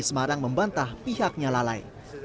semarang membantah pihaknya lalai